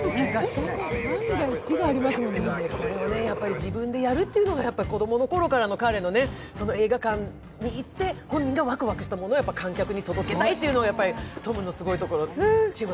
自分でやるというのが子供のころからの彼のね、映画館に行って、本人がワクワクしたものを観客に届けたいというのがやっぱりトムのすごいところ。